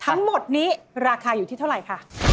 ทั้งหมดนี้ราคาอยู่ที่เท่าไหร่ค่ะ